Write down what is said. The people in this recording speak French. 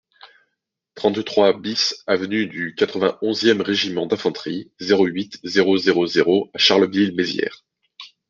trente-trois BIS avenue du quatre-vingt-onze e Régiment d'Infanterie, zéro huit, zéro zéro zéro à Charleville-Mézières